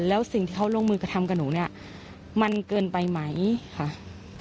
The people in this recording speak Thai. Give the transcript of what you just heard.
แล้วสิ่งที่เขาลงมือกระทำกับหนูเนี่ยมันเกินไปไหมค่ะ